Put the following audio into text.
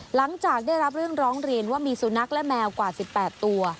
หลังจากได้รับเรื่องร้องเรียนว่ามีสุนัขและแมวกว่า๑๘ตัว